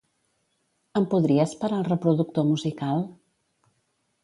Em podries parar el reproductor musical?